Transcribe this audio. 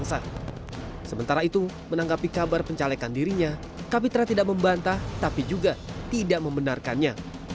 sementara itu menanggapi kabar pencalekan dirinya kapitra tidak membantah tapi juga tidak membenarkannya